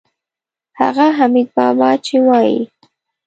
هغه حمیدبابا چې وایي.